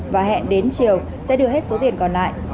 và hẹn đến chiều sẽ đưa hết số tiền còn lại